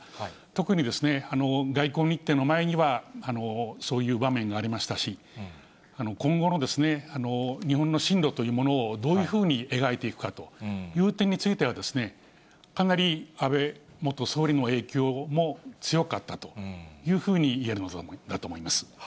特に、外交日程の前には、そういう場面がありましたし、今後の日本の針路というものをどういうふうに描いていくかという点については、かなり安倍元総理の影響も強かったというふうに言えると思います。